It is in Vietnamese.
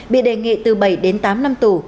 bị đề nghị từ bảy đến tám năm tù